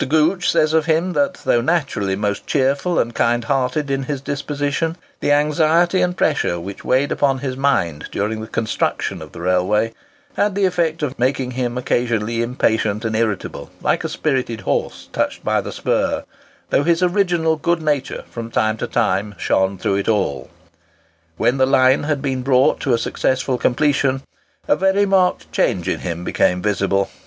Gooch says of him that though naturally most cheerful and kind hearted in his disposition, the anxiety and pressure which weighed upon his mind during the construction of the railway, had the effect of making him occasionally impatient and irritable, like a spirited horse touched by the spur; though his original good nature from time to time shone through it all. When the line had been brought to a successful completion, a very marked change in him became visible.